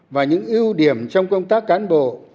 và những ưu điểm trong công tác cán bộ